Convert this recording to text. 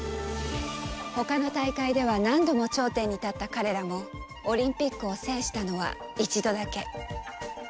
他の大会では何度も頂点に立った彼らもオリンピックを制したのは１度だけ。